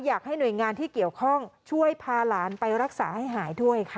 อยากให้หน่วยงานที่เกี่ยวข้องช่วยพาหลานไปรักษาให้หายด้วยค่ะ